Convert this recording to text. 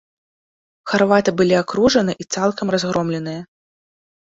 Харваты былі акружаны і цалкам разгромленыя.